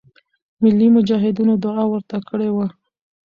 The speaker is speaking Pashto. ملی مجاهدینو دعا ورته کړې وه.